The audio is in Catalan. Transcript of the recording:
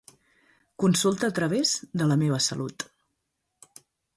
Consulta a través de La meva Salut.